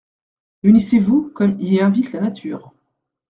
Unissez-vous, comme y invite la nature.